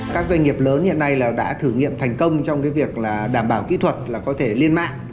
các doanh nghiệp lớn hiện nay đã thử nghiệm thành công trong cái việc là đảm bảo kỹ thuật là có thể liên mạng